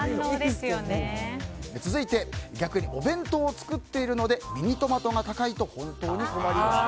続いてお弁当を作っているのでミニトマトが高いと本当に困りますと。